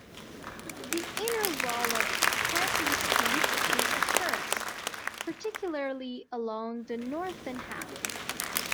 The inner wall of Karpinskiy is terraced, particularly along the northern half.